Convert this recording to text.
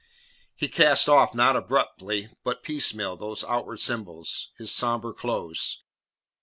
He cast off, not abruptly, but piecemeal, those outward symbols his sombre clothes.